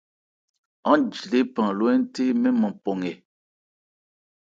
Aán ji lephan ló hɛ́nthé mɛ́n nman pɔ nkɛ.